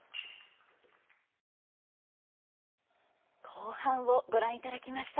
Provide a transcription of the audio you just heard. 後半をご覧いただきました。